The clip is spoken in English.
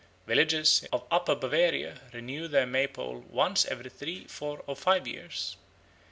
Villages of Upper Bavaria renew their May pole once every three, four, or five years.